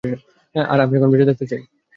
আর এখন আমি বেঁচে থাকতে চাই।